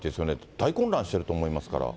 大混乱していると思いますから。